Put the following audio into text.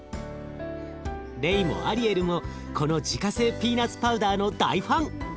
レイもアリエルもこの自家製ピーナツパウダーの大ファン！